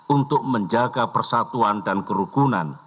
untuk menjaga persatuan dan kerukunan